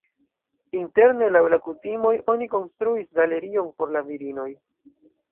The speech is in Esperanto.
Interne laŭ la kutimoj oni konstruis galerion por la virinoj.